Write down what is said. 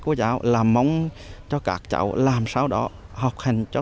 của giáo là mong cho các cháu làm sao đó